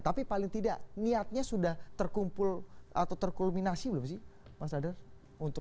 tapi paling tidak niatnya sudah terkumpul atau terkulminasi belum sih mas radar